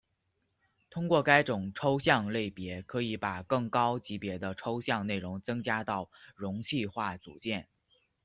通过该种抽象类别可以把更高级别的抽象内容增加到容器化组件。